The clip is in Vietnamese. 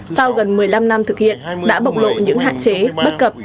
sau gần một mươi năm năm thực hiện đã bộc lộ những hạn chế bất cập